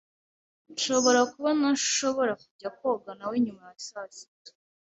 Nshobora kuba ntashobora kujya koga nawe nyuma ya saa sita.